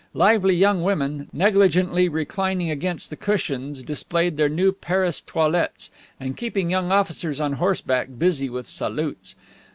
Lively young women, negligently reclining against the cushions, displayed their new Paris toilettes, and kept young officers on horseback busy with salutes.